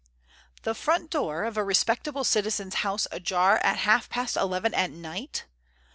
The front door of a respectable citizen's house ajar at half past eleven at night!